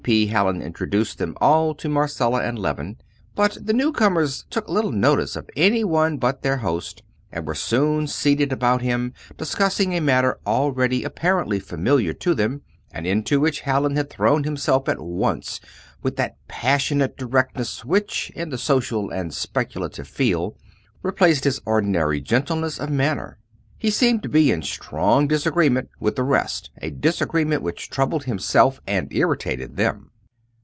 P. Hallin introduced them all to Marcella and Leven; but the new comers took little notice of any one but their host, and were soon seated about him discussing a matter already apparently familiar to them, and into which Hallin had thrown himself at once with that passionate directness which, in the social and speculative field, replaced his ordinary gentleness of manner. He seemed to be in strong disagreement with the rest a disagreement which troubled himself and irritated them.